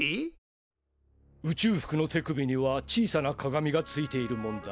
宇宙服の手首には小さな鏡がついているもんだ。